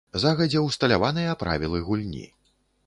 Загадзя ўсталяваныя правілы гульні.